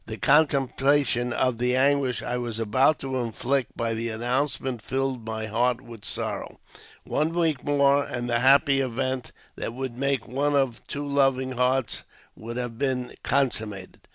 The contemplation of the anguish I was about to inflict by the announcement filled my heart with sorrow. One week more, and the happy event that would make one of two loving hearts would have been consummated.